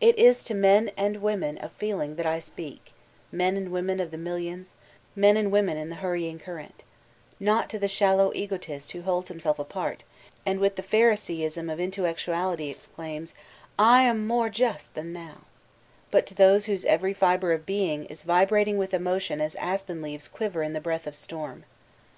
It b to men and women of feeling that I apeak, men and women of the millions, men and women in the hunt ing current I Not to the shallow ^otist who holds himself apart and with the phariseeism of intellectuality exdainis* ''I am more just than thou'' ; but to those whose every fiber of being is vibrating with emotion as aspen leaves qmver in the breath of Storm!